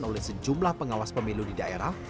oleh sejumlah pengawas pemilu di daerah